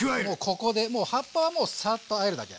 ここで葉っぱはもうサッとあえるだけ。